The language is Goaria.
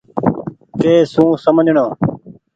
ڪي سون سمجهڻو۔